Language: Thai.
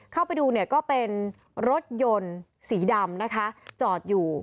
เข้าไปดูเนี่ยก็เป็นรถยนต์สีดำนะคะจอดอยู่